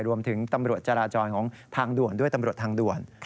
รวมถึงตำรวจจราจรของทางด่วนด้วยตำรวจทางด่วน